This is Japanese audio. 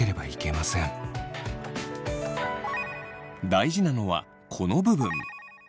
大事なのはこの部分。